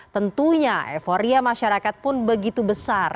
tentunya euforia masyarakat pun begitu besar